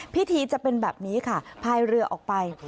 พิธีจะเป็นแบบนี้ค่ะพายเรือออกไป